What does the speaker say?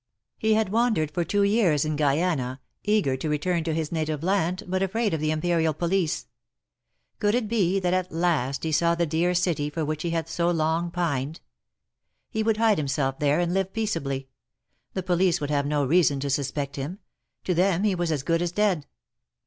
He had wandered for two years in Guyana, eager to return to his native land, but afraid of the Imperial police. Could it be that at last he saw the dear city for which he had so long pined ? He would hide himself there and live peaceably ; the police would have no reason to suspect him ; to them he was as good as dead.